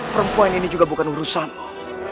perempuan ini juga bukan urusanmu